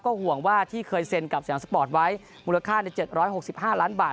ห่วงว่าที่เคยเซ็นกับสยามสปอร์ตไว้มูลค่าใน๗๖๕ล้านบาท